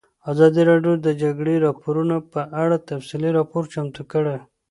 ازادي راډیو د د جګړې راپورونه په اړه تفصیلي راپور چمتو کړی.